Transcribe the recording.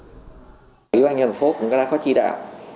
tổng thống ủy ban nhà đồng phố cũng đã khó trì đạo